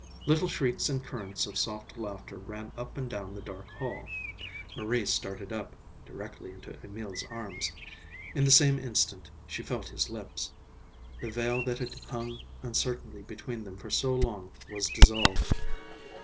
Little shrieks and currents of soft laughter ran up and down the dark hall. Marie started up,—directly into Emil's arms. In the same instant she felt his lips. The veil that had hung uncertainly between them for so long was dissolved.